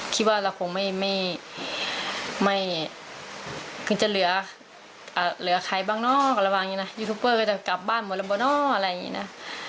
คิดว่าเราก็เกิดจะเหลือใครบ้างยูทูเปอร์ก็จะกลับบ้านบอกอะไรอย่างนี้นะ